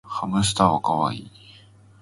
ハムスターはかわいい